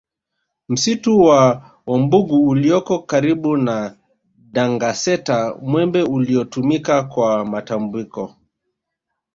Msitu wa Wambugu ulioko karibu na Dangaseta Mwembe uliotumika kwa matambiko